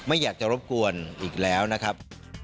ไม่อยากจะรบกวนอีกแล้วนะครับ